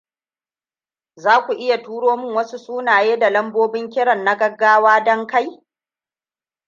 Za ka turo min wasu sunaye da lambobin kiran na gaggawa don kai?